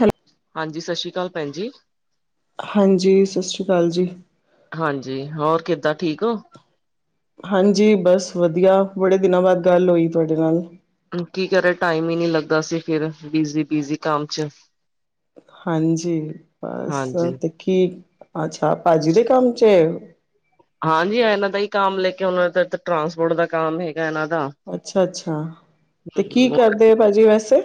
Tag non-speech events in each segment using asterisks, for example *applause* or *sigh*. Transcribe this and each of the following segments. ਹੈ ਹਾਂਜੀ ਜੀ, ਸਛੀ ਕਾਲ ਭੈਣਜੀ। ਹਾਂਜੀ, ਸਛੀ ਕਾਲ ਜੀ। ਹਾਂਜੀ, ਹੋਰ ਕਿੱਦਾਂ ਠੀਕ ਓ? ਹਾਂਜੀ ਬਸ ਵਧੀਆ ਵੜੇ ਦਿਨਾਂ ਬਾਦ ਗੱਲ ਹੋਈ ਤੁਆਡੇ ਨਾਲ। ਕੀ ਕਰਾਂ ਟਾਈਮ ਈ ਨੀ ਲੱਗਾ ਸੀ ਫਿਰ, ਬਿਜੀ-ਬਿਜੀ ਕੰਮ ਚ। ਹਾਂਜੀ, ਬਸ ਹਾਂਜੀ ਤੇ ਕੀ, ਅੱਛਾ ਭਾਜੀ ਦੇ ਕੰਮ ਚ। ਹਾਂਜੀ, ਇਹਨਾਂ ਦਾ ਈ ਕੰਮ ਲੈ ਕੇ ਹੁਨ, ਟਰਾਂਸਪੋਰਟ ਦਾ ਕੰਮ ਹੈਗਾ ਇਹਨਾਂ ਦਾ। ਅੱਛਾ-ਅੱਛਾ, ਤੇ ਕੀ ਹਮ, ਕਰਦੇ ਭਾਜੀ ਵੈਸੇ?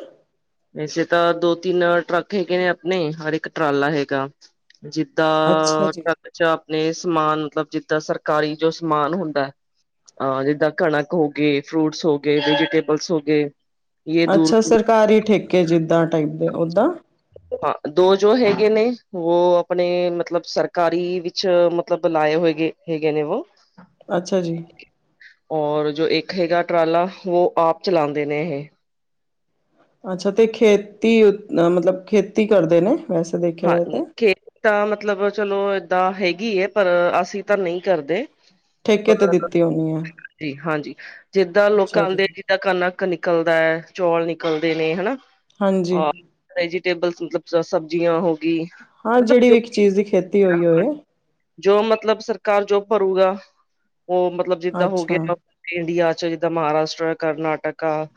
ਵੈਸੇ ਤਾਂ ਦੋ-ਤਿੰਨ ਟਰੱਕ ਹੈਗੇ ਨੇ ਆਪਨੇ, ਔਰ ਇੱਕ ਟਰਾਲਾ ਹੈਗਾ। ਜਿੱਦਾਂ, ਅੱਛਾ ਜੀ *inaudible* ਜਾਂ, ਅਪਨੇ ਸਮਾਨ, ਮਤਲਬ ਜਿੱਦਾਂ ਸਰਕਾਰੀ ਜੋ ਸਮਾਨ ਹੁੰਦੈ। ਆਂ, ਜਿੱਦਾਂ ਕਣਕ ਹੋ ਗੀ, ਫਰੂਟਸ ਹੋ ਗੇ, ਵੈਜੀਟੇਬਲਸ ਹੋ ਗੇ। ਅੱਛਾ ਸਰਕਾਰੀ ਠੇਕੇ, ਜਿੱਦਾਂ ਟਾਈਪ ਦੇ, ਓਦਾਂ? ਹਾ, ਦੋ ਜੋ ਹੈਗੇ ਨੇ, ਵੋ ਆਪਣੇ ਮਤਲਬ ਸਰਕਾਰੀ ਵਿੱਚ, ਮਤਲਬ ਬਣਾਏ ਹੋਏ ਗੇ। ਹੈਗੇ ਨੇ ਵੋ? ਅੱਛਾ ਜੀ। ਔਰ ਜੋ ਇੱਕ ਹੈਗਾ ਟਰਾਲਾ, ਉਹ ਆਪ ਚਲਾਂਦੇ ਨੇ ਇਹ। ਅੱਛਾ, ਤੇ ਖੇਤੀ ਉ ਮਤਲਬ ਖੇਤੀ ਕਰਦੇ ਨੇ? ਵੈਸੇ ਦੇਖਿਆ ਜਾਏ ਹਾਂਜੀ, ਤੇ। ਖੇਤ ਤਾਂ ਮਤਲਬ ਚਲੋ ਏਦਾਂ ਹੈਗੀ ਐ, ਪਰ ਅਸੀਂ ਤਾਂ ਨਹੀਂ ਕਰਦੇ। ਠੇਕੇ ਤੇ ਦਿੱਤੀ *unintelligible* ਹੋਣੀ ਹੈ ਹਾਂਜੀ, ਜਿੱਦਾਂ ਲੋਕ ਅੱਛਾ ਜੀ। ਆਦੇ ਕਨਕ ਨਿਕਲਦਾ ਐ, ਚੌਲ ਨਿਕਲਦੇ ਨੇ ਹਨਾ। ਹਾਂਜੀ ਅ ਵੈਜੀਟੇਬਲਸ ਮਤਲਬ ਸ, ਸਬਜ਼ੀਆਂ ਹੋਗੀ, ਹਾਂ ਮਤਲਬ ਜਿਹੜੀ ਜੋ ਵੀ ਇੱਕ ਚੀਜ਼ ਦੀ ਖੇਤੀ ਹੋਈ *inaudible* ਹੋਏ। ਜੋ ਮਤਲਬ, ਸਰਕਾਰ ਜੋ ਭਰੂਗਾ ਉਹ ਮਤਲਬ, ਜਿੱਦਾਂ ਹੋ ਅੱਛਾ ਗਿਆ ਇੰਡੀਆ ਚ ਜਿੱਦਾਂ ਮਹਾਰਾਸ਼ਟਰ, ਕਰਨਾਟਕਾ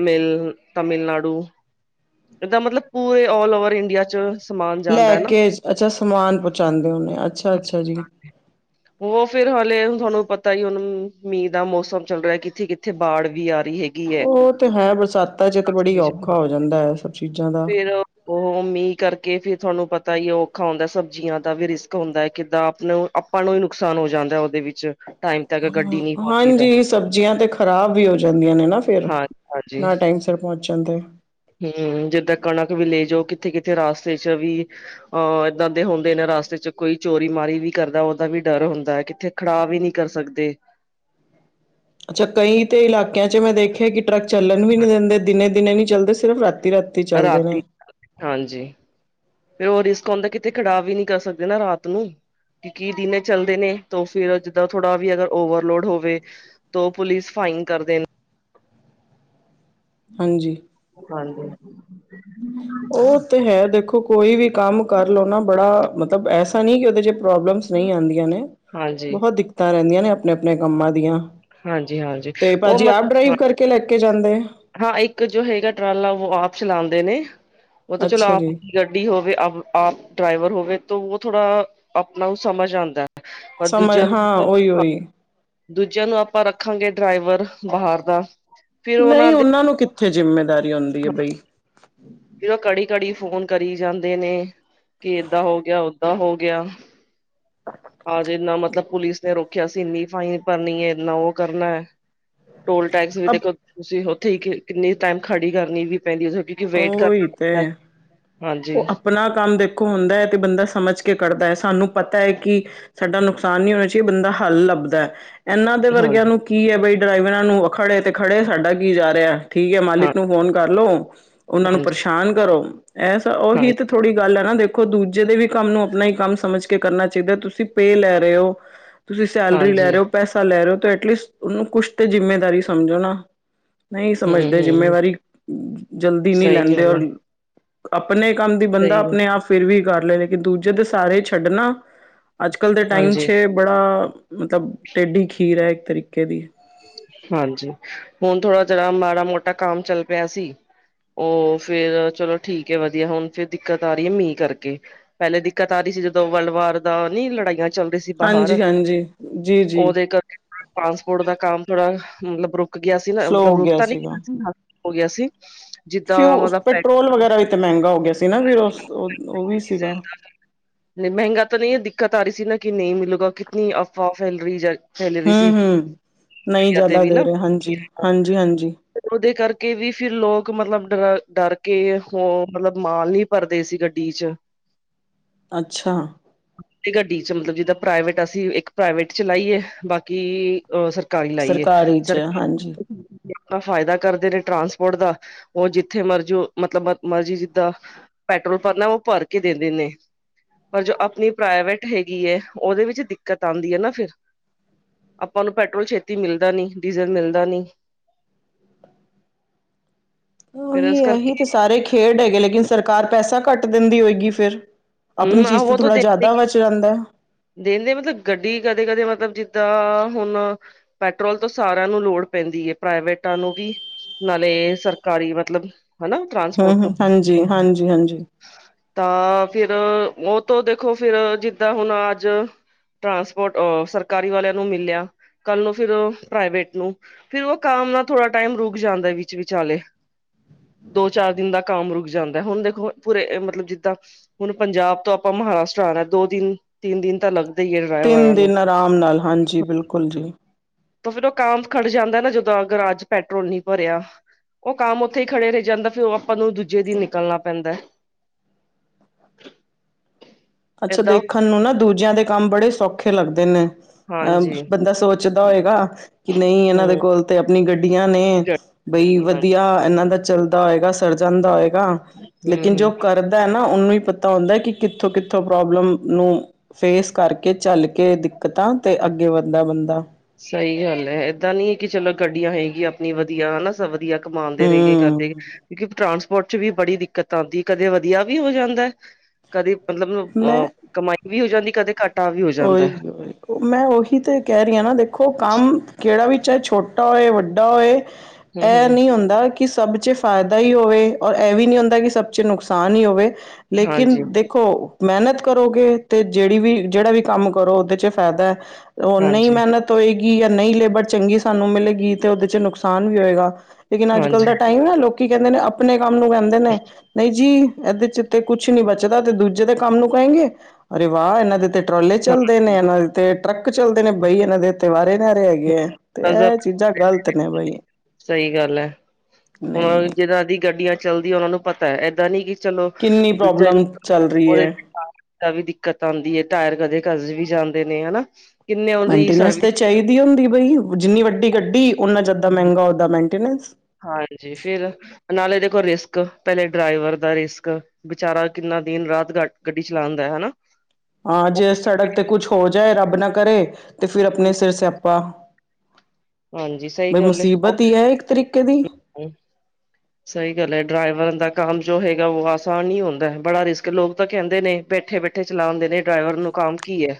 ਮਿਲ, ਤਮਿਲਨਾਡੂ, ਇਦਾ ਮਤਲਬ ਪੂਰੇ ਆਲ ਓਵਰ ਇੰਡੀਆ ਚ ਸਮਾਨ ਲੈ ਜਾਂਦਾ ਹੈ ਨਾ। ਕੇ, ਅੱਛਾ ਸਮਾਨ ਪਚਾਉਂਦੇ ਹੋਣੇ। ਅੱਛਾ-ਅੱਛਾ ਜੀ। ਉਹ ਫੇਰ ਹਾਲੇ, ਤੁਹਾਨੂੰ ਪਤਾ ਹੀ ਹੁਣ ਮੀਂਹ ਦਾ ਮੌਸਮ ਚੱਲ ਰਿਹਾ। ਕਿੱਥੇ-ਕਿੱਥੇ ਬਾੜ ਵੀ ਆ ਰਹੀ ਹੈ ਹੈਗੀ ਉਹ ਤੇ ਹੈ, ਬਰਸਾਤਾਂ ਚ ਤੇ ਬੜੀ ਔਖਾ ਹੋ ਜਾਂਦਾ ਐ *unintelligible* ਫੇਰ ਉਹ ਮੀਂਹ ਕਰਕੇ ਫਿਰ ਤੁਹਾਨੂੰ ਪਤਾ ਈ ਔਖਾ ਹੁੰਦਾ, ਸਬਜ਼ੀਆਂ ਦਾ ਵੀ ਰਿਸਕ ਹੁੰਦਾ। ਕਿੱਦਾਂ ਆਪ ਨੂੰ ਆਪਾਂ ਨੂੰ ਹੀ ਨੁਕਸਾਨ ਹੋ ਜਾਂਦਾ, ਉਹਦੇ ਵਿੱਚ। ਟਾਈਮ ਤੱਕ ਗੱਡੀ ਨਹੀਂ ਪਹੁੰਚੀ ਤਾਂ ਹਾਂਜੀ, ਸਬਜ਼ੀਆਂ ਤੇ ਖ਼ਰਾਬ ਵੀ ਹੋ ਜਾਂਦੀਆਂ ਨੇ ਨਾ ਫੇਰ। ਹਾਂ ਹਾਂਜੀ। ਨਾ ਟਾਈਮ ਸਿਰ ਪਹੁੰਚ ਹੁੰਦੈ ਹੂੰ, ਜਿੱਦਾਂ ਕਣਕ ਵੀ ਲੇਜੋ ਕਿੱਥੇ-ਕਿੱਥੇ ਰਸਤੇ ਚ ਵੀ ਆ, ਏਦਾਂ ਦੇ ਹੁੰਦੇ ਨੇ, ਰਸਤੇ ਚ ਕੋਈ ਚੋਰੀ-ਮਾਰੀ ਵੀ ਕਰਦਾ, ਉਹਦਾ ਵੀ ਡਰ ਹੁੰਦਾ ਐ, ਕਿੱਥੇ ਖੜਾ ਵੀ ਨੀ ਕਰ ਸਕਦੇ। ਚ, ਕਈ ਤੇ ਇਲਾਕਿਆਂ ਮੈਂ ਦੇਖੇ ਕਿ ਟਰੱਕ ਚੱਲਣ ਵੀ ਨਹੀਂ ਦਿੰਦੇ, ਦਿਨੇ-ਦਿਨੇ ਨੀ ਚੱਲਦੇ ਸਿਰਫ ਰਾਤੀ-ਰਾ ਰਾਤੀ *unintelligible* ਹਾਂਜੀ। ਫੇ ਉਹ ਰਿਸਕ ਹੌਦਾ, ਕਿਤੇ ਖੜਾਹ ਵੀ ਨੀ ਕਰ ਸਕਦੇ ਨਾ ਰਾਤ ਨੂੰ। ਕੀ ਕੀ ਦਿਨੇ ਚੱਲਦੇ ਨੇ, ਤੋ ਫੇਰ ਜਿੱਦਾਂ ਥੋੜਾ, ਵੀ ਅਗਰ ਓਵਰਲੋਡ ਹੋਵੇ। ਤੋਂ ਪੁਲਿਸ, ਫਾਈਨ ਕਰਦੇ ਹਾਂਜੀ। ਹਾਂਜੀ। ਉਹ ਤੇ ਹੈ, ਦੇਖੋ ਕੋਈ ਵੀ ਕੰਮ ਕਰ ਲੋ ਨਾ ਬੜਾ, ਮਤਲਬ ਐਸਾ ਨੀ ਕਿ ਉਹਦੇ ਚ ਪ੍ਰੋਬਲਮਸ ਨੀ ਆਉਂਦੀਆਂ ਨੇ, ਹਾਂਜੀ, ਬਹੁਤ ਦਿੱਕਤਾਂ ਰਹਿੰਦੀਆਂ ਨੇ, ਆਪਣੇ ਆਪਣੇ ਕੰਮਾਂ ਦੀਆਂ। ਹਾਂਜੀ, ਹਾਂਜੀ ਤੇ, ਉਹ ਭਾਜੀ ਆਪ ਡਰਾਈਵ ਮਤ ਕਰਕੇ ਲੈ ਕੇ ਜਾਂਦੇ। ਹਾਂ, ਇੱਕ ਜੋ ਹੈਗਾ ਟਰਾਲਾ ਉਹੋ ਆਪ ਚਲਾਂਦੇ ਨੇ, ਉਹ ਤਾਂ ਚਲੋ ਅੱਛਾ ਆਪ ਜੀ ਗੱਡੀ ਹੋਵੇ ਆਪ ਡਰਾਈਵਰ ਹੋਵੇ, ਤਾਂ ਉਹ ਥੋੜਾ ਆਪਣਾ ਸਮਝ ਆਂਦਾ ਪਰ ਸਮਝ ਦੂਜਿਆਂ ਹਾਂ ਨੂੰ ਉਹੀ *unintelligible* ਉਹੀ ਦੂਜਿਆਂ ਨੂੰ ਆਪਾਂ ਰੱਖਾਂਗੇ ਡਰਾਈਵਰ, ਬਾਹਰ ਦਾ। ਫਿਰ ਨਹੀਂ, ਦੇ ਉਹਨਾਂ ਨੂੰ ਕਿੱਥੇ ਜਿੰਮੇਦਾਰੀ ਆਉਂਦੀ ਐ ਬਈ। ਫਿਰ ਉਹ ਕੜੀ-ਕੜੀ ਫੋਨ ਕਰੀ ਜਾਂਦੇ ਨੇ। ਕੀ ਏਦਾਂ ਹੋ ਗਿਆ, ਓਦਾਂ ਹੋ ਗਿਆ। *inaudible* ਹਜੇ ਇੰਨਾ ਮਤਲਬ ਪੁਲਿਸ ਨੇ ਰੋਕਿਆ ਸੀ ਇੰਨੀ ਫਾਈਨ ਭਰਨੀ ਹੈ ਇੰਨਾ ਉਹ ਕਰਨਾ ਹੈ। ਟੋਲ ਟੈਕਸ ਵੀ ਅ ਦੇਖੋ ਤੁਸੀਂ ਉੱਥੇ ਹੀ ਕਿੰਨੀ ਟਾਈਮ ਖੜੀ ਕਰਨੀ ਵੀ ਪੈਂਦੀ ਕਿਉਂਕਿ ਵੇਟ ਉਹੀ ਕਰਨਾ ਤੇ ਪੈਂਦਾ ਹਾਂਜੀ ਉਹ ਆਪਣਾ ਕੰਮ ਦੇਖੋ, ਹੁੰਦਾ ਹੈ ਤੇ ਬੰਦਾ ਸਮਝ ਕੇ ਕਰਦਾ ਹੈ, ਸਾਨੂੰ ਪਤਾ ਹੈ ਕਿ ਸਾਡਾ ਨੁਕਸ ਆਸਾਨ ਨਈ ਹੋਣਾ ਚਾਹੀਦਾ ਬੰਦਾ ਹੱਲ ਲੱਭਦਾ, ਇਹਨਾਂ ਦੇ ਹਾਂ ਵਰਗਿਆਂ ਨੂੰ, ਕੀ ਹੈ ਬਈ ਡਰਾਈਵਰਾਂ ਨੂੰ, ਖੜੇ ਤੇ ਖੜੇ ਸਾਡਾ ਕੀ ਜਾ ਰਿਹਾ ਠੀਕ ਹੈ, ਹਾਂ ਮਾਲਿਕ ਨੂੰ ਫੋਨ ਕਰਲੋ ਉਹਨਾਂ ਨੂੰ, ਹਾਂਜੀ ਪਰੇਸ਼ਾਨ ਕਰੋ ਐਸਾ ਹਾਂ ਉਹੀ ਥੋੜ੍ਹੀ ਗੱਲ ਹੈ ਨਾ, ਦੇਖੋ ਦੂਜੇ ਦੇ ਵੀ ਕੰਮ ਨੂੰ ਆਪਣਾ ਹੀ ਕੰਮ ਸਮਝ ਕੇ ਕਰਨਾ ਚਾਹੀਦਾ, ਤੁਸੀਂ ਪੇਅ ਲੈ ਰਹੇ ਹੋ। *unintelligible* ਤੁਸੀਂ ਸੈਲਰੀ ਲੈ ਹਾਂਜੀ ਰਹੇ ਹੋ, ਪੈਸਾ ਲੈ ਰਹੇ ਹੋ ਐਟਲੀਸਟ ਉਹਨੂੰ, ਕੁਛ ਤੇ ਜਿੰਮੇਦਾਰੀ ਸਮਝੋ ਨਾ, ਨਈ ਹਮ ਸਮਝਦੇ ਹਮ ਜਿੰਮੇਵਾਰੀ, ਜਲਦੀ ਨਹੀਂ ਸਹੀ ਲੈਂਦੇ ਗੱਲ ਔਰ ਆ, ਆਪਣੇ ਕੰਮ ਦੀ, ਬੰਦਾ ਸਹੀ ਗੱਲ। ਆਪਣੇ ਆਪ ਫਿਰ ਵੀ ਕਰ ਲਏ ਲੇਕਿਨ, ਦੂਜੇ ਦੇ ਸਾਰੇ ਛੱਡਣਾ ਅੱਜ- ਕੱਲ੍ਹ ਦੇ ਟਾਈਮ ਹਾਂਜੀ, 'ਚ, ਬੜਾ ਮਤਲਬ ਟੇਡੀ ਖੀਰ ਹੈ ਇੱਕ ਤਰੀਕੇ ਦੀ ਹਾਂਜੀ, ਹੁਣ ਥੋੜਾ ਜਿੜਾ ਮਾੜਾ -ਮੋਟਾ ਕੰਮ ਚੱਲ ਪਿਆ ਸੀ। ਉਹ ਫੇਰ ਚਲੋ ਠੀਕ ਹੈ, ਵਧੀਆ ਹੁਣ ਫੇਰ ਦਿੱਕਤ ਆ ਰਹੀ ਹੈ, ਮੀਂਹ ਕਰਕੇ ਪਹਿਲੇ ਦਿੱਕਤ ਆ ਰਹੀ ਸੀ, ਜਦੋਂ ਵਰਲਡ ਵਾਰ ਦਾ ਨੀ ਲੜਾਈਆਂ ਚੱਲਦੇ ਸੀ, ਬਾਹਰ ਹਾਂਜੀ ਹਾਂਜੀ ਜੀ ਜੀ ਉਹਦੇ ਕਰ ਟਾਂਸਪੋਰਟ ਦਾ ਕੰਮ, ਥੋੜਾ ਮਤਲਬ ਰੁਕ ਗਿਆ ਸੀ, ਨਾ ਸਲੋਅ ਮਤਲਬ ਹੋ ਰੁਕ ਗਿਆ ਤਾਂ ਨੀ ਸੀਗਾ ਸੀ ਹੋ ਗਿਆ ਸੀ। ਫਿਊ ਪੈਟਰੋਲ ਵਗੈਰਾ, ਵੀ ਤਾਂ ਮਹਿੰਗਾ ਹੋ ਗਿਆ ਸੀ ਨਾ ਫਿਰ ਉਹ ਵੀ ਸੀਗਾ। ਨਈ ਮਹਿੰਗਾ ਤਾਂ ਨਹੀਂ ਹੈ ਦਿੱਕਤ, ਆ ਰਹੀ ਸੀ ਨਾ ਕਿ ਨਹੀਂ, ਮਿਲੂਗਾ ਕਿਤਨੀ ਅਫਵਾਹ ਫੈਲ ਰਹੀ ਜਾਂ ਹਮ -ਹਮ ਨਹੀਂ ਤੇ ਜ਼ਿਆਦਾ ਵੀ ਦੇ ਨਾ ਰਹੇ ਹਾਂਜੀ, ਹਾਂਜੀ, ਹਾਂਜੀ। ਉਹਦੇ ਕਰਕੇ ਵੀ, ਫਿਰ ਲੋਕ ਮਤਲਬ ਡਰ, ਡਰ ਕੇ ਉਹ ਮਤਲਬ ਮਾਲ ਨੀ ਪਰਦੇਸੀ ਗੱਡੀ ਚ ਅੱਛਾ। ਗੱਡੀ ਚ ਮਤਲਬ, ਜਿੱਦਾਂ ਭਰਾ ਵੱਡਾ ਸੀਂ। ਇੱਕ ਪ੍ਰਾਈਵੇਟ ਚਲਾਈਏ ਬਾਕੀ ਅ ਸਰ ਗਾੜੀ ਲਾਈਏ ਸਰਕਾਰੀ 'ਚ ਸਰ ਹਾਂਜੀ ਆਪਣਾ ਫਾਇਦਾ ਕਰਦੇ ਨੇ, ਟਰਾਂਸਪੋਰਟ ਦਾ ਉਹ ਜਿੱਥੇ ਮਰਜ਼ੀ, ਮਤਲਬ ਮਰਜ਼ੀ ਜਿੱਦਾਂ ਪੈਟਰੋਲ ਭਰਨਾ, ਉਹ ਭਰ ਕੇ ਦੇਿੰਦੇ ਨੇ, ਪਰ ਜੋ, ਆਪਣੀ ਪ੍ਰਾਈਵੇਟ ਹੈਗੀ ਏ, ਉਹਦੇ ਵਿੱਚ ਦਿੱਕਤ ਆਉਂਦੀ ਹੈ ਨਾ ਫਿਰ ਆਪਾਂ ਨੂੰ ਪੈਟਰੋਲ ਛਤੀ ਤੀ ਮਿਲਦਾ ਨਈ, ਡੀਜ਼ਲ ਮਿਲਦਾ ਨੀ, ਫਿਰ ਉਹੀ ਇਸ ਐਹੀ ਕਰਕੇ ਤੇ, ਸਾਰੇ ਖੇਡ ਹੈਗੇ ਲੇਕਿਨ, ਸਰਕਾਰ ਪੈਸਾ ਘੱਟ ਦਿੰਦੀ ਹੋਏਗੀ ਫਿਰ ਆਪਣੀ ਹਮ ਚੀਜ਼ ਤੇ, ਉਹ ਤਾਂ ਥੋੜਾ ਦੇਖ ਜ਼ਿਆਦਾ ਵਧ ਜਾਂਦਾ। ਦਿੰਦੇ ਮਤਲਬ, ਗੱਡੀ ਕਦੇ- ਕਦੇ ਮਤਲਬ ਜਿੱਦਾਂ ਹੁਣ ਪੈਟਰੋਲ ਤੋਂ ਸਾਰਿਆਂ ਨੂੰ, ਲੋੜ ਪੈਂਦੀ ਹੈ ਪ੍ਰਾਈਵੇਟਾਂ ਨੂੰ ਵੀ ਨਾਲੇ ਸਰਕਾਰੀ ਮਤਲਬ ਹਨਾ। ਹੂੰ ਟਰਾਂਸਪੋਰਟ ਹੂੰ ਨੂੰ ਹਾਂਜੀ ਹਾਂਜੀ ਹਾਂਜੀ ਤਾਂ ਫਿਰ ਉਹ ਤੋਂ ਦੇਖੋ, ਫਿਰ ਜਿੱਦਾਂ ਹੁਣ ਅਜ ਟਰਾਂਸਪੋਰਟ, ਸਰਕਾਰੀ ਵਾਲਿਆਂ ਨੂੰ ਮਿਲਿਆ, ਕੱਲ ਨੂੰ ਫਿਰ ਪ੍ਰਾਈਵੇਟ ਨੂੰ ਫੇਿਰ ਉਹ ਕੰਮ ਨਾਲ, ਥੋੜ੍ਹਾ ਟਾਈਮ ਰੁਕ ਜਾਂਦਾ ਵਿੱਚ ਵਿਚਾਲੇ ਦੋ -ਚਾਰ ਦਿਨ ਦਾ ਕੰਮ ਰੁਕ ਜਾਂਦਾ ਹੁਣ, ਦੇਖੋ ਪੂਰੇ ਮਤਲਬ ਜਿੱਦਾਂ ਹੁਣ ਪੰਜਾਬ ਤੋਂ ਆਪਾਂ ਮਹਾਰਾਸ਼ਟਰ ਆਉਣਾ ਦੋ ਦਿਨ- ਤਿੰਨ ਦਿਨ ਤਾਂ ਲੱਗ ਤਿੰਨ ਦਿਨ, ਆਰਾਮ ਨਾਲ ਹਾਂਜੀ ਬਿਲਕੁਲ ਜੀ। ਤਾਂ ਫੇਰ ਉਹ, ਕਮ ਖੜ ਜਾਂਦਾ ਨਾ, ਜਦੋਂ ਅਗਰ ਅੱਜ ਪੈਟਰੋਲ ਨੀ ਭਰਿਆ ਉਹ ਕੰਮ ਉੱਥੇ ਹੀ, ਖੜੇ ਰਹਿ ਜਾਂਦਾ ਫਿਰ ਉਹ ਆਪਾਂ ਨੂੰ, ਦੂਜੇ ਦਿਨ ਨਿਕਲਣਾ ਪੈਂਦਾ *unintelligible* ਅੱਛਾ, ਏਦਾਂ ਦੇਖਣ ਨੂੰ ਨਾ ਦੂਜਿਆਂ ਦੇ ਕੰਮ, ਬੜੇ ਸੌਖੇ ਲੱਗਦੇ ਨੇ, ਅਹ ਹਾਂਜੀ ਬੰਦਾ ਸੋਚਦਾ ਹੋਏਗਾ ਕਿ, ਨਹੀਂ ਇਹਨਾਂ ਦੇ ਹਮ ਕੋਲ ਤੇ ਆਪਣੀ ਗੱਡੀਆਂ ਨੇ, ਬਈ ਹਾਂ ਵਧੀਆ, ਇਹਨਾਂ ਦਾ ਚੱਲਦਾ ਹੋਏਗਾ ਸਰੜ ਜਾਂਦਾ ਹੋਏਗਾ, ਹਮ ਲੇਕਿਨ ਜੋ ਹਮ ਕਰ ਕਰਦਾ ਹੈ ਨਾ ਉਹਨੂੰ ਹੀ ਪਤਾ ਹੁੰਦਾ ਕਿ ਕਿੱਥੋਂ ਕਿੱਥੋ ਉਥੋਂ ਪ੍ਰੋਬਲਮ ਨੂੰ ਫੇਸ ਕਰਕੇ ਚੱਲ ਕੇ ਦਿੱਕਤਾਂ ਤੇ ਅੱਗੇ ਵੱਧਦਾ ਬੰਦਾ ਸਹੀ ਗੱਲ ਹੈ ਏਦਾਂ ਨੀ ਹੈ ਕਿ ਚਲੋ ਗੱਡੀਆਂ ਹੈਗੀਆਂ ਆਪਣੀ ਵਧੀਆ ਹਨਾ ਸਭ ਵਧੀਆ। ਕਮਾਦੇ ਰਹਿ ਗਏ ਹਮ ਕਰਦੇ ਏ ਟਰਾਂਸਪੋਰਟ ਚ ਵੀ ਬੜੀ ਦਿੱਕਤ ਆਉਂਦੀ ਹੈ ਕਦੇ ਵਧੀਆ ਵੀ ਹੋ ਜਾਂਦਾ ਹੈ। ਕਦੇ ਮਤਲਬ ਮੈਂ ਅਹ ਕਮਾਈ ਵੀ ਹੋ ਜਾਂਦੀ ਕਦੇ ਘੱਟ ਉਹੀਈ ਮੈਂ ਉਹੀ ਤੇ ਕਹਿ ਰਹੀ ਹਾਂ ਨਾ ਦੇਖੋ ਕੰਮ ਕਿਹੜਾ ਵੀ ਚਾਹੇ ਛੋਟਾ ਛੋਟਾ ਹੋਏ ਵੱਡਾ ਹੋਏ ਹਮ ਇਹ ਹਮ ਨਹੀਂ ਹੁੰਦਾ ਕਿ ਸਭ ਚ ਫਾਇਦਾ ਹੀ ਹੋਵੇ ਔਰ ਇਹ ਵੀ ਨਹੀਂ ਹੁੰਦਾ ਕਿ ਸਭ ਚ ਨੁਕਸਾਨ ਹੀ ਹੋਵੇ ਲੇਕਿਨ ਹਾਂਜੀ ਦੇਖ ਦੇਖੋ ਮਿਹਨਤ ਕਰੋਗੇ ਤੇ ਜਿਹੜੀ ਵੀ ਜਿਹੜਾ ਵੀ ਕੰਮ ਕਰੋ ਉਹਦੇ ਚ ਫਾਇਦਾ ਹੈ। ਉਹ ਨਹੀਂ ਹਾਂਜੀ ਮਿਹਨਤ ਹੋਏਗੀ ਜਾਂ ਨਹੀਂ ਲੇਬਰ ਚੰਗੀ ਸਾਨੂੰ ਮਿਲੇਗੀ ਤੇ ਉਹਦੇ ਚ ਨੁਕਸਾਨ ਵੀ ਹੋਏਗਾ। ਲੇਕਿਨ ਅੱਜ ਕੱਲ੍ਹ ਹਾਂਜੀ ਦਾ ਟਾਈਮ ਹੈ ਲੋਕੀ ਕਹਿੰਦੇ ਨੇ ਆਪਣੇ ਕੰਮ ਨੂੰ ਕਹਿੰਦੇ ਨੇ ਨਹੀਂ ਜੀ ਇਹਦੇ ਚ ਤੇ ਕੁਛ ਨੀ ਬਚਦਾ ਤੇ ਦੂਜੇ ਦੇ ਕੰਮ ਨੂੰ ਕਹੇਗੇ ਅਰੇ ਵਾਹ ਇਹਨਾਂ ਦੇ ਤੇ ਟਰਾਲੇ ਚੱਲਦੇ ਨੇ ਇਹਨਾਂ ਦੇ ਤੇ ਟਰੱਕ ਚੱਲਦੇ ਨੇ ਬਈ ਇਹਨਾਂ ਦੇ ਤੇ ਵਾਰੇ ਨਾਰੇ ਹੈਗੇ ਆ ਤੇ ਹਾਂ ਇਹ ਚੀਜ਼ਾਂ ਗ਼ਲਤ ਨੇ ਬਾਈ। ਸਹੀ ਗੱਲ ਹੈ ਹੁਣ ਜਿਦਾਂ ਦੀ ਗੱਡੀਆਂ ਚੱਲਦੀਆਂ ਉਹਨਾ ਨੂੰ ਪਤਾ ਏਦਾਂ ਨੀ ਕਿ ਚਲੋ ਕਿੰਨੀ ਦੂਜੇ ਨੂੰ ਪ੍ਰੋਬਲਮ ਚੱਲ ਰਹੀ ਉਹਦੇ ਹੈ ਦਾ ਵੀ ਦਿੱਕਤ ਆਉਂਦੀ ਹੈ ਟਾਇਰ ਕਦੇ ਘਸ ਵੀ ਜਾਂਦੇ ਨੇ ਹਨਾ। ਕਿੰਨੇ ਉਹਦੀ ਮੇਨਟਨੈਂਸ ਸਰਵਿਸ ਤੇ ਚਾਹੀਦੀ ਹੁੰਦੀ ਬਈ ਜਿੰਨੀ ਵੱਡੀ ਗੱਡੀ ਓਨਾ ਜਿਆਦਾ ਮਹਿੰਗਾ ਉਹਦਾਂ ਮੇਨਟਨੈਂਸ ਹਾਂਜੀ ਫਿਰ ਨਾਲੇ ਦੇਖੋ ਰਿਸਕ ਪਹਿਲੇ ਡਰਾਈਵਰ ਦਾ ਰਿਸਕ ਵਿਚਾਰਾ ਕਿੰਨਾ ਦਿਨ ਰਾਤ ਗ ਗੱਡੀ ਚਲਾਉਂਦਾ ਹੈ ਹਨਾ। ਹਾਂ ਜੇ ਸੜਕ ਤੇ ਕੁਛ ਹੋ ਜਾਏ ਰੱਬ ਨਾ ਕਰੇ ਤੇ ਫਿਰ ਆਪਣੇ ਸਿਰ ਸਿਆਪਾ ਹਾਂਜੀ ਸਹੀ ਬਈ ਮੁਸੀਬਤ ਹੀ ਹੈ ਇੱਕ ਤਰੀਕੇ ਦੀ। ਹੂੰ। ਸਹੀ ਗੱਲ ਹੈ ਡਰਾਈਵਰ ਦਾ ਕੰਮ ਜੋ ਹੈਗਾ ਉਹ ਆਸਾਨ ਨਹੀਂ ਹੁੰਦਾ ਬੜਾ ਰਿਸਕ ਲੋਕ ਤਾਂ ਕਹਿੰਦੇ ਨੇ ਬੈਠੇ ਬੈਠੇ ਚਲਾਉਂਦੇ ਨੇ ਡਰਾਈਵਰ ਨੂੰ ਕੰਮ ਕੀ ਹੈ।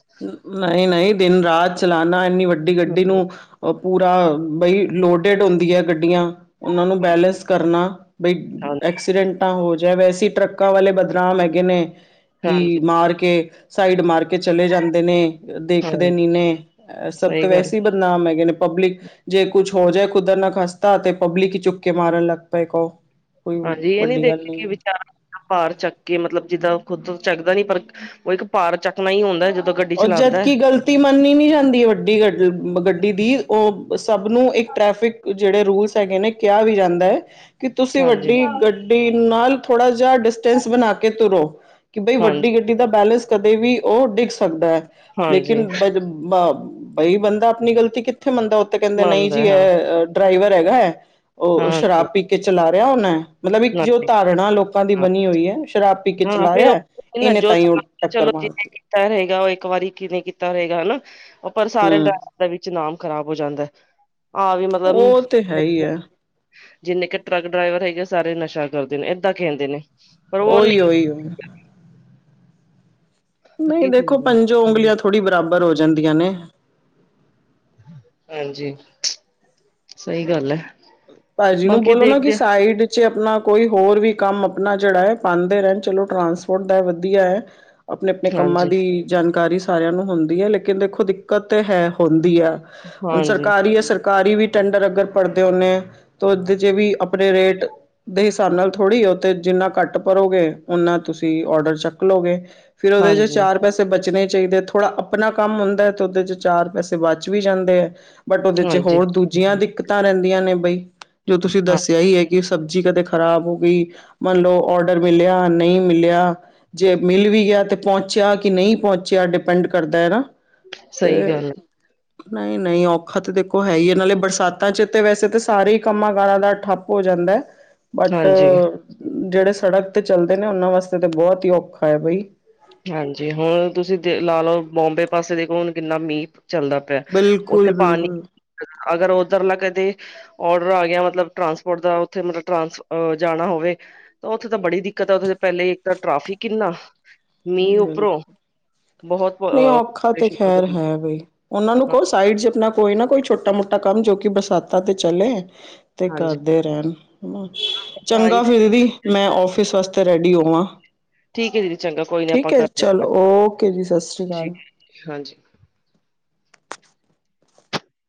ਨਹੀਂ ਨਹੀਂ ਦਿਨ ਰਾਤ ਚਲਾ ਇੰਨੀ ਵੱਡੀ ਗੱਡੀ ਨੂੰ ਉਹ ਪੂਰਾ ਬਈ ਲੋਡਿਡ ਹੁੰਦੀ ਹੈ ਗੱਡੀਆਂ। ਉਹਨਾਂ ਨੂੰ ਬੈਲੇੈਂਸ ਕਰਨਾ ਬਈ ਹਾਂਜੀ ਐਕਸੀਡੈਂਟਾਂ ਹੋ ਜਾਏ ਵੈਸੇ ਟਰੱਕਾਂ ਵਾਲੇ ਬਦਨਾਮ ਹੈਗੇ ਨੇ ਕਿ ਹਾਂਜੀ ਮਾਰ ਕੇ ਸਾਈਡ ਮਾਰ ਕੇ ਚਲੇ ਜਾਂਦੇ ਨੇ। ਦੇਖਦੇ ਹਾਂ ਨੀ ਨੇ ਸਭ ਸਹੀ ਤੋਂ ਗੱਲ ਵੈਸੇ ਬਦਨਾਮ ਹੈਗੇ ਨੇ ਪਬਲਿਕ ਜੇ ਕੁਛ ਹੋ ਜਾਏ ਕੁਦਰਤ ਨਾ ਖਾਸਤਾ ਤੇ ਪਬਲਿਕ ਚੁੱਕ ਕੇ ਮਾਰਨ ਲੱਗ ਪਏ ਕਹੋ। ਕੋਈ ਹਾਂਜੀ ਇਹ ਨੀ ਵੱਡੀ ਗੱਲ ਨਹੀਂ ਦੇਖਗੀ ਹੈ ਵਿਚਾਰਾ ਭਾਰ ਚੱਕ ਕੇ ਮਤਲਬ ਜਿੱਦਾਂ ਖੁੱਦ ਚੱਕਦਾ ਨੀ ਪਰ ਉਹ ਇੱਕ ਭਾਰ ਚੱਕਣਾ ਹੀ ਹੁੰਦਾ ਏ ਜਦੋਂ ਗੱਡੀ ਔਰ ਚਲਾਉਂਦਾ। ਜਦਕਿ ਗ਼ਲਤੀ ਮੰਨੀ ਨੀ ਜਾਂਦੀ ਵੱਡੀ ਗ ਗੱਡੀ ਦੀ ਉਹ ਸਭ ਨੂੰ ਇੱਕ ਟ੍ਰੈਫਿਕ ਜਿਹੜੇ ਰੂਲਸ ਹੈਗੇ ਨੇ ਕਿਹਾ ਵੀ ਜਾਂਦਾ ਹੈ। ਕਿ ਤੁਸੀਂ ਹਾਂਜੀ ਵੱਡੀ ਗੱਡੀ ਨਾਲ ਥੋੜ੍ਹਾ ਜਿਹਾ ਡਿਸਟੈਂਸ ਬਣਾ ਕੇ ਤੁਰੋ। ਕਿ ਬਈ ਹਾਂਜੀ ਵੱਡੀ ਗੱਡੀ ਦਾ ਬੈਲੇੈਂਸ ਕਦੇ ਵੀ ਉਹ ਡਿਕਸ ਐ ਹਾਂਜੀ ਲੇਕਿਨ ਬ ਬਈ ਬੰਦਾ ਆਪਣੀ ਗ਼ਲਤੀ ਕਿੱਥੇ ਮੰਨਦਾ ਉੱਥੇ ਕਹਿੰਦੇ ਨਹੀਂ ਮੰਨਦਾ ਜੀ ਹਾਂ ਇਹ ਡਰਾਈਵਰ ਹੈਗਾ ਹੈ ਉਹ ਸ਼ਰਾਬ ਹਾਂਜੀ ਪੀ ਕੇ ਚਲਾ ਰਿਹਾ ਉਹਨਾ ਮਤਲਬ ਇੱਕ ਜੋ ਹਾਂਜੀ ਧਾਰਨਾ ਲੋਕਾਂ ਦੀ ਹਾਂ ਬਣੀ ਹੋਈ ਹੈ ਸ਼ਰਾਬ ਪੀ ਕੇ ਹਾਂ ਚਲਾ ਫਿਰ ਰਿਹਾ ਉਹ ਨਾ ਇਹਨੇ ਜੋ ਤਾਂਈ ਉਹ ਟੱਕਰ ਚਲੋ ਜਿਹਨੇ ਮਾਰਤੀ। ਕੀਤਾ ਰਹੇਗਾ ਉਹ ਇੱਕ ਵਾਰੀ ਕਿ ਨਹੀਂ ਕੀਤਾ ਰਹੇਗਾ ਹਨਾ ਉਹ ਪਰ ਸਾਰਿਆਂ ਹਮ ਦਾ ਵਿੱਚ ਨਾਮ ਖ਼ਰਾਬ ਹੋ ਜਾਂਦਾ ਆਹ ਵੀ ਮਤਲਬ ਉਹ ਤੇ ਹੈ ਹੀ ਹੈ ਜਿੰਨੇ ਕਿ ਟਰੱਕ ਡਰਾਈਵਰ ਹੈਗੇ ਸਾਰੇ ਨਸ਼ਾ ਕਰਦੇ ਨੇ ਏਦਾਂ ਕਹਿੰਦੇ ਨੇ। ਪਰ ਉਹ ਉਹੀ ਹੀ ਉਹੀ। ਨਹੀਂ ਦੇਖੋ ਪੰਜੋ ਉਂਗਲੀਆਂ ਥੋੜ੍ਹੀ ਬਰਾਬਰ ਹੋ ਜਾਂਦੀਆਂ ਨੇ। ਹਾਂਜੀ ਸਹੀ ਗੱਲ ਹੈ। ਭਾਜੀ ਨੂੰ ਬਾਕੀ ਬੋਲੋ ਨਾ ਕਿ ਦੇਖਦੇ ਸਾਈਡ ਵਿੱਚ ਆਪਣਾ ਕੋਈ ਹੋਰ ਵੀ ਕੰਮ ਆਪਣਾ ਜਿਹੜਾ ਹੈ ਪਾਂਦੇ ਰਹਿਣ, ਚਲੋ ਟਰਾਂਸਪੋਰਟ ਦਾ ਵਧੀਆ ਐ। ਆਪਣੇ-ਆਪਣੇ ਕੰਮਾਂ ਹਾਂਜੀ, ਦੀ ਜਾਣਕਾਰੀ ਸਾਰਿਆਂ ਨੂੰ ਹੁੰਦੀ ਐ ਲੇਕਿਨ, ਦੇਖੋ ਦਿੱਕਤ ਤੇ ਹੈ ਹੁੰਦੀ ਆ। ਹੁਣ ਹਾਂਜੀ, ਸਰਕਾਰੀ ਏ, ਸਰਕਾਰੀ ਵੀ ਟੈਂਡਰ ਅਗਰ ਭਰਦੇ ਹੁੰਨੇ, ਤੇ ਉਹਦੇ 'ਚ ਵੀ ਆਪਨੇ ਰੇਟ ਦੇ ਹਿਸਾਬ ਨਾਲ ਥੋੜ੍ਹੀ ਉਹ ਤੇ ਜਿੰਨਾ ਕੱਟ ਭਰੋਗੇ, ਓਨਾ ਤੁਸੀਂ ਔਡਰ ਚੱਕਲੋ ਗੇ। ਫੇਰ ਉਹਦੇ ਚੋਂ ਹਾਂਜੀ, ਚਾਰ ਪੈਸੇ ਬਚਣੇ ਚਾਈਦੇ, ਥੋੜ੍ਹਾ ਆਪਣਾ ਕੰਮ ਹੁੰਦਾ ਏ ਤੇ ਉਹਦੇ 'ਚ ਚਾਰ ਪੈਸੇ ਬਚ ਵੀ ਜਾਂਦੇ ਐ। ਬਟ ਉਹਦੇ 'ਚ ਹਾਂਜੀ, ਹੋਰ ਦੂਜੀਆਂ ਦਿੱਕਤਾਂ ਰਹਿੰਦੀਆਂ ਨੇ ਬਈ, ਜੋ ਤੁਸੀਂ ਹਾਂ ਦੱਸਿਆ ਈ ਏ। ਕਿ ਸਬਜ਼ੀ ਕਦੇ ਖ਼ਰਾਬ ਹੋ ਗਈ, ਮੰਨ ਲਓ ਔਡਰ ਮਿਲਿਆ, ਨ‌ਈਂ ਮਿਲਿਆ। ਜੇ ਮਿਲ ਵੀ ਗਿਆ ਤੇ ਪਹੁੰਚਿਆ ਕਿ ਨ‌ਈਂ ਪਹੁੰਚਿਆ ਡਿਪੈਂਡ ਕਰਦਾ ਏ ਨਾ। ਤੇ ਸਹੀ ਗੱਲ ਹੈ। ਨ‌ਈਂ- ਨ‌ਈਂ ਔਖਾ ਤਾਂ ਦੇਖੋ ਹੈ ਈ ਐ, ਨਾਲੇ ਬਰਸਾਤਾਂ 'ਚ ਤੇ ਵੈਸੇ ਤਾਂ ਸਾਰੇ ਕੰਮਾਂ ਕਾਰਾਂ ਦਾ ਠੱਪ ਹੋ ਜਾਂਦਾ ਐ। ਬਟ ਹਾਂਜੀ, ਜਿਹੜੇ ਸੜਕ ਤੇ ਚਲਦੇ ਨੇ ਉਹਨਾਂ ਵਾਸਤੇ ਤੇ ਬਹੁਤ ਈ ਔਖਾ ਐ ਬਈ। ਹਾਂਜੀ, ਹੁਣ ਤੁਸੀਂ ਦੇ ਲਾ ਲਓ ਬੋਂਬੇ ਪਾਸੇ ਦੇਖੋ ਹੁਣ ਕਿੰਨਾ ਮੀਂ ਪ ਚੱਲਦਾ ਪਿਆ। ਉੱਥੇ ਬਿਲਕੁਲ ਪਾਣੀ, ਬਿਲਕੁਲ ਅਗਰ ਉੱਧਰਲਾ ਕਦੇ ਔਡਰ ਆ ਗਿਆ ਮਤਲਬ ਟਰਾਂਸਪੋਟ ਦਾ ਉੱਥੇ ਮਲਬ ਟ੍ਰ‌ਾਂਸ ਜਾਣਾ ਹੋਵੇ ਤੇ ਉੱਥੇ ਤਾਂ ਬੜੀ ਦਿੱਕਤ ਉੱਥੇ ਪਹਿਲੇ ਇੱਕ ਤਾਂ ਟ੍ਰ‌ਾਫਿਕ ਇੰਨਾ ਬਿਲਕੁਲ, ਬਹੁਤ ਨ‌ਈਂ ਔਖਾ ਤੇ ਖੈਰ ਅ ਹੈ ਬਈ। ਉਹਨਾਂ ਨੂੰ ਕ‌ਓ ਸਾਈਡ 'ਚ ਆਪਣਾ ਕੋਈ ਨਾ ਕੋਈ ਛੋਟਾ-ਮੋਟਾ ਕੰਮ ਜੋ ਕਿ ਬਰਸਾਤਾਂ ਤੇ ਚਲੇ। ਤੇ ਹਾਂਜੀ ਕਰਦੇ ਰਹਿਣ। ਚੰਗਾ ਫਿਰ 'ਦੀ ਮੈਂ ਔਫਿਸ ਵਾਸਤੇ ਰੈਡੀ ਹੋਵਾਂ। ਠੀਕ ਐ ਦੀਦੀ, ਚੰਗਾ ਕੋਈ ਨੀ ਆਪਾਂ ਠੀਕ ਹੈ ਕਰਦੇ ਆ ਚਲੋ ਗੱਲ, ਓਕੇ ਜੀ ਸਤਿ ਸ਼੍ਰੀ ਅਕਾਲ ਠੀਕ ਹਾਂਜੀ।